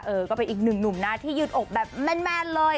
เออก็เป็นอีกหนึ่งหนุ่มนะที่ยืดอกแบบแม่นเลย